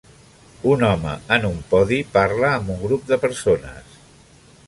Un home en un podi parla amb un grup de persones.